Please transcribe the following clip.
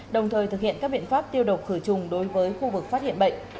đồng thời thực hiện các biện pháp tiêu độc khử trùng đối với khu vực phát hiện bệnh